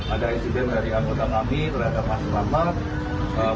ada insiden dari anggota kami terhadap mas raman